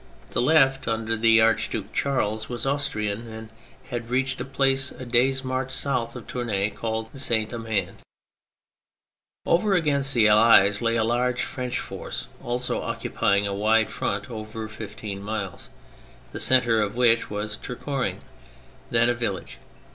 The left, under the Archduke 206 THE FRENCH REVOLUTION Charles, was Austrian and had reached a place a day's march south of Tournay called St. Amand. Over against the Allies lay a large French force also occupying a wide front of over fifteen miles, the centre of which was Tourcoing, then a village.